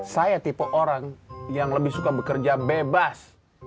saya tipe orang yang lebih suka bekerja bebas